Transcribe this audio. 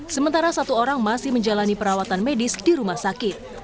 sementara satu orang masih menjalani perawatan medis di rumah sakit